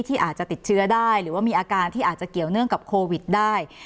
อาจจะติดเชื้อได้หรือว่ามีอาการที่อาจจะเกี่ยวเนื่องกับโควิดได้